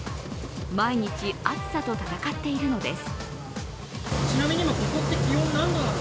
毎日暑さと戦っているのです。